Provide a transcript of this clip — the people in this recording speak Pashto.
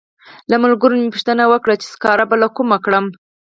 له ملګرو مې پوښتنه وکړه چې سکاره به له کومه کړم.